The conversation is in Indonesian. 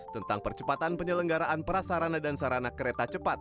tentang percepatan penyelenggaraan prasarana dan sarana kereta cepat